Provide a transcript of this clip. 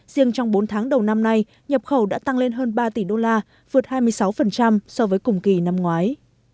riêng trong bốn tháng đầu năm nay nhập khẩu đã tăng lên hơn ba tỷ đô la vượt hai mươi sáu so với cùng kỳ năm ngoái